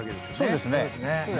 そうですね。